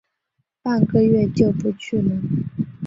半个月就不去了